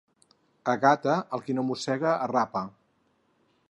A Gata, el qui no mossega, arrapa.